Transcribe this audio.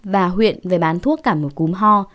bà huyện về bán thuốc cả một cúm ho